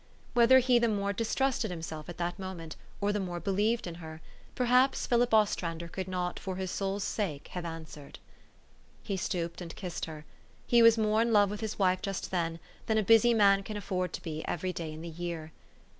Whether he the more distrusted him self at that moment, or the more believed in her, perhaps Philip Ostrander could not for his soul's sake have answered. He stooped and kissed her. He was more in love with his wife just then than a busy man can afford to be every day in the year.